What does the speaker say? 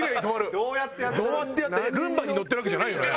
どうやってやってルンバに乗ってるわけじゃないよね？